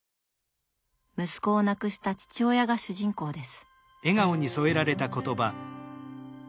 息子を亡くした父親が主人公です。